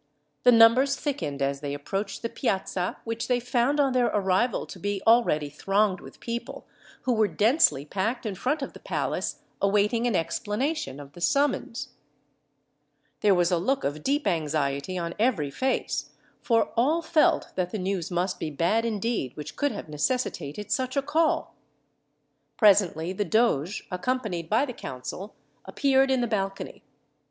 The numbers thickened as they approached the Piazza, which they found on their arrival to be already thronged with people, who were densely packed in front of the palace, awaiting an explanation of the summons. There was a look of deep anxiety on every face, for all felt that the news must be bad, indeed, which could have necessitated such a call. Presently the doge, accompanied by the council, appeared in the balcony.